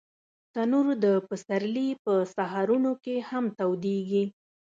تنور د پسرلي په سهارونو کې هم تودېږي